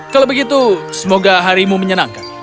kalau begitu semoga harimu menyenangkan